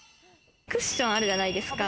クッションあるじゃないですか。